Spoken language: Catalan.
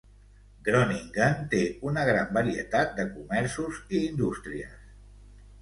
Groningen té una gran varietat de comerços i indústries.